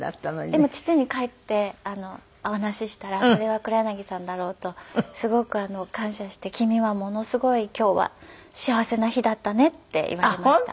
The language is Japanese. でも父に帰ってお話したらそれは黒柳さんだろうとすごく感謝して「君はものすごい今日は幸せな日だったね」って言われました。